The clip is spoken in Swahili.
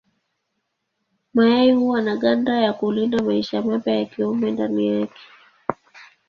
Mayai huwa na ganda ya kulinda maisha mapya ya kiumbe ndani yake.